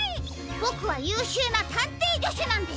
ボクはゆうしゅうなたんていじょしゅなんです。